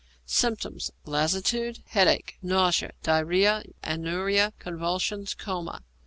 Symptoms. Lassitude, headache, nausea, diarrhoea, anuria, convulsions, coma.